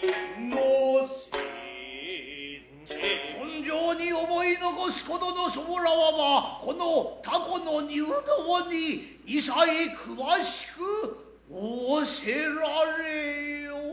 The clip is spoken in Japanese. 今生に思い残す事の候はばこの蛸の入道に委細詳しく仰せられよ。